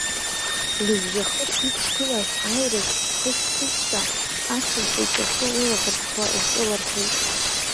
Лыжәҩахыр иқәгылаз аирыӡ хышәҭызшәа, аҽырҳәа икьасо лылаӷырӡқәа рҿылархеит.